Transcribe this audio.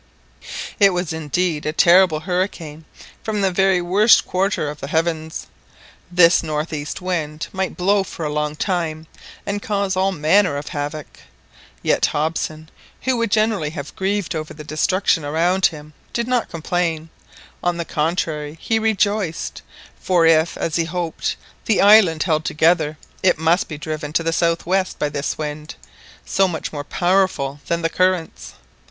It was indeed a terrible hurricane from the very worst quarter of the heavens. This north east wind might blow for a long time and cause all manner of havoc. Yet Hobson, who would generally have grieved over the destruction around him, did not complain,—on the contrary, he rejoiced; for if, as he hoped, the island held together, it must be driven to the south west by this wind, so much more powerful than the currents.